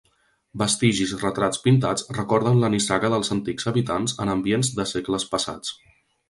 Vestigis i retrats pintats recorden la nissaga dels antics habitants en ambients de segles passats.